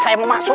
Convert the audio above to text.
saya mau masuk